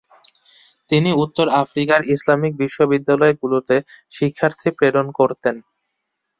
তিনি উত্তর আফ্রিকার ইসলামিক বিশ্ববিদ্যালয়গুলোতে শিক্ষার্থী প্রেরণ করতেন।